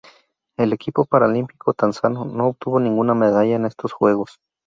El equipo paralímpico tanzano no obtuvo ninguna medalla en estos Juegos.